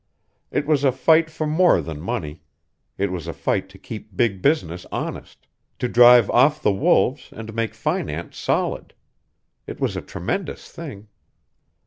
It was a fight for more than money it was a fight to keep big business honest, to drive off the wolves and make finance solid. It was a tremendous thing!